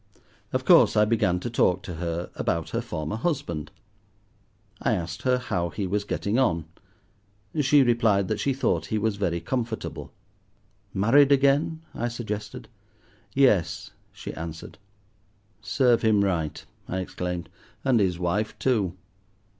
Of course, I began to talk to her about her former husband. I asked her how he was getting on. She replied that she thought he was very comfortable. "Married again?" I suggested. "Yes," she answered. "Serve him right," I exclaimed, "and his wife too."